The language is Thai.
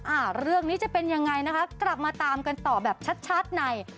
อ่าเรื่องนี้จะเป็นยังไงนะคะกลับมาตามกันต่อแบบชัดชัดใน